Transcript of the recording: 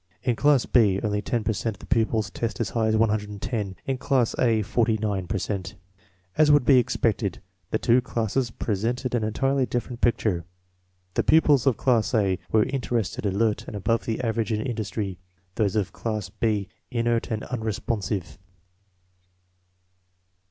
In class B only 10 per cent of the pupils test as high as 110; in class A, 49 per cent. As would be expected, the two classes presented an entirely differ ent picture. The pupils of class A were interested, alert, and above the average in industry; those of class B inert and unresponsive.